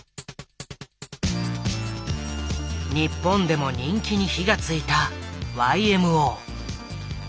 日本でも人気に火がついたＹＭＯ。